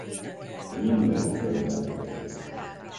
Mindent köd lep.